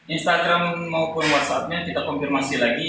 instagram maupun whatsappnya kita konfirmasi lagi